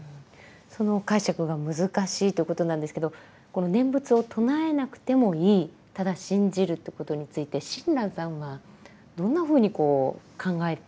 その解釈が難しいということなんですけどこの念仏を唱えなくてもいいただ信じるということについて親鸞さんはどんなふうにこう考えていたんでしょうか？